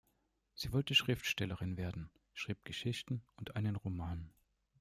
Sie wollte Schriftstellerin werden, schrieb Geschichten und einen Roman.